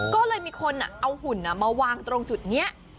ก็เลยมีคนเอาหุ่นมาวางตรงจุดนี้